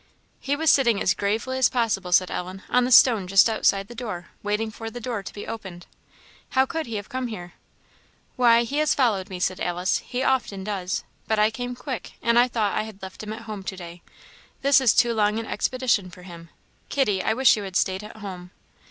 "He was sitting as gravely as possible," said Ellen, "on the stone just outside the door, waiting for the door to be opened. How could he have come here?" "Why, he has followed me," said Alice; "he often does; but I came quick, and I thought I had left him at home to day. This is too long an expedition for him. Kitty, I wish you had stayed at home."